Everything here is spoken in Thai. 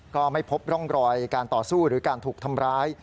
ก็ไม่พบร่องรอยการต่อสู้หรือการถูกทำร้าย